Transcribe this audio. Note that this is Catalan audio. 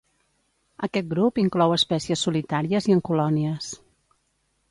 Aquest grup inclou espècies solitàries i en colònies.